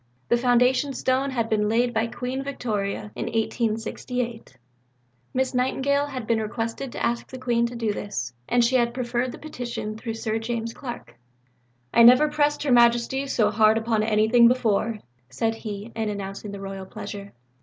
The foundation stone had been laid by Queen Victoria in 1868. Miss Nightingale had been requested to ask the Queen to do this, and she had preferred the petition through Sir James Clark. "I never pressed Her Majesty so hard upon anything before," said he, in announcing the Royal pleasure.